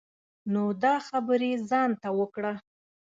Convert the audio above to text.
نو دا خبری ځان ته وکړه.